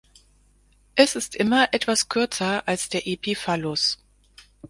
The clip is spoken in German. Es ist immer etwas kürzer als der Epiphallus.